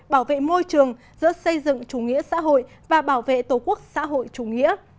bảo vệ môi trường giữa xây dựng chủ nghĩa xã hội và bảo vệ tổ quốc xã hội chủ nghĩa